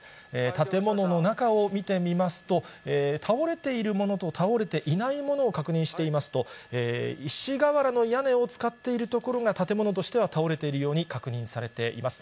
建物の中を見てみますと、倒れているものと、倒れていないものを確認していますと、石瓦の屋根を使っているところが建物としては倒れているように確認されています。